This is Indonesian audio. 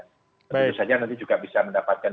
tentu saja nanti juga bisa mendapatkan